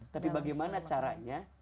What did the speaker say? tapi bagaimana caranya